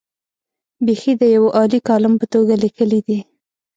بېخي د یوه عالي کالم په توګه لیکلي دي.